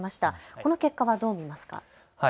この結果はどう見ますか。